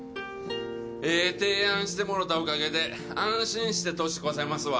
ええ提案してもろたおかげで安心して年越せますわ。